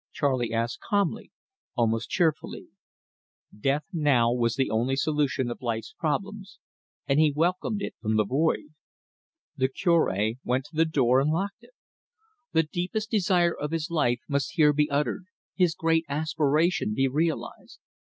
Charley asked calmly, almost cheerfully. Death now was the only solution of life's problems, and he welcomed it from the void. The Cure went to the door and locked it. The deepest desire of his life must here be uttered, his great aspiration be realised.